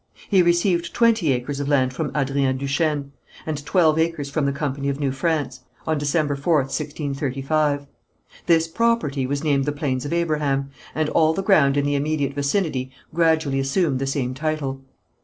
He received twenty acres of land from Adrien Duchesne, and twelve acres from the Company of New France, on December 4th, 1635. This property was named the Plains of Abraham, and all the ground in the immediate vicinity gradually assumed the same title.